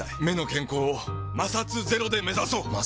目の健康を摩擦ゼロで目指そう！